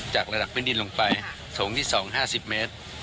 จากระดับพื้นดินลงไปสูงที่๒๕๐เมตร